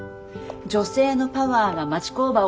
女性のパワーが町工場を変えた！